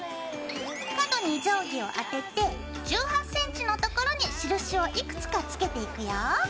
角に定規を当てて１８ｃｍのところに印をいくつか付けていくよ。